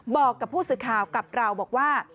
บอกกับผู้สื่อข่าวกับเราบอกว่า